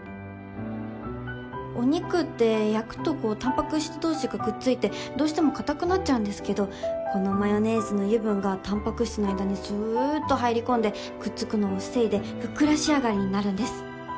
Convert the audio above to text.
お肉って焼くとこうタンパク質同士がくっついてどうしても硬くなっちゃうんですけどこのマヨネーズの油分がタンパク質の間にすーっと入り込んでくっつくのを防いでふっくら仕上がりになるんです。